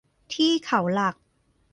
ที่เขาหลัก